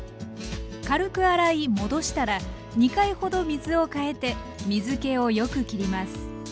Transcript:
軽く洗い戻したら２回ほど水を替えて水けをよくきります。